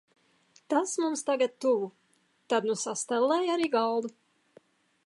Tas mums tagad tuvu. Tad nu sastelēja arī galdu.